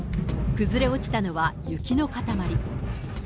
崩れ落ちたのは雪の塊。